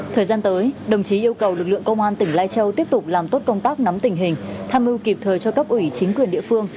thời gian tới đồng chí yêu cầu lực lượng công an tỉnh lai châu tiếp tục làm tốt công tác nắm tình hình tham mưu kịp thời cho cấp ủy chính quyền địa phương